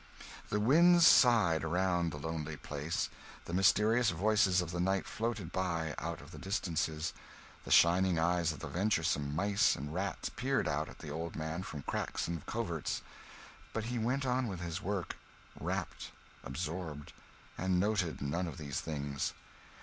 The winds sighed around the lonely place, the mysterious voices of the night floated by out of the distances. The shining eyes of venturesome mice and rats peered out at the old man from cracks and coverts, but he went on with his work, rapt, absorbed, and noted none of these things.